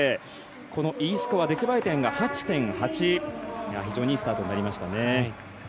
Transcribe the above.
このＥスコア、出来栄え点が８．８非常にいいスタートになりましたね。